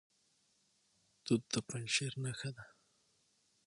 توت د پنجشیر نښه ده.